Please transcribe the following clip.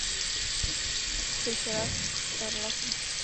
Fischera z Erlachu.